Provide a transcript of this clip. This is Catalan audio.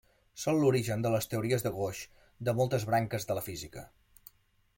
Són l'origen de les teories de gauge de moltes branques de la física.